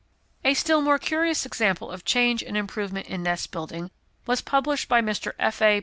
A still more curious example of change and improvement in nest building was published by Mr. F. A.